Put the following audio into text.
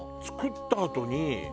作ったあとに。